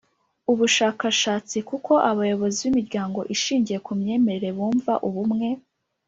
Ubushakashatsi k uko abayobozi b imiryango ishingiye ku myemerere bumva ubumwe